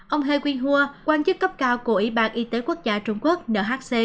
ông he quy hua quan chức cấp cao của ủy ban y tế quốc gia trung quốc nhc